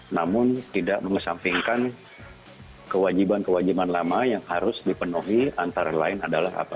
namun tidak mengesampingkan kewajiban kewajiban lama yang harus dipenuhi antara lain adalah apa